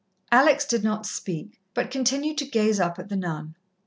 Alex did not speak, but continued to gaze up at the nun.